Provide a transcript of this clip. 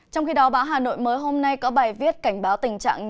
trong khi đó báo hà nội mới hôm nay có bài viết cảnh báo tình trạng